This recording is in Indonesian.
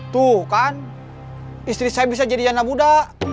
tuh kan istri saya bisa jadi anak muda